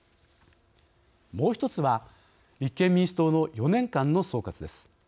もう１つは立憲民主党の４年間の総括です。